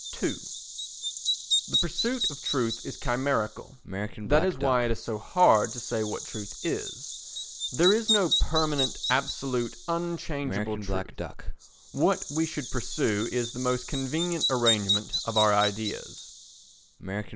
ii The pursuit of truth is chimerical. That is why it is so hard to say what truth is. There is no permanent absolute unchangeable truth; what we should pursue is the most convenient arrangement of our ideas.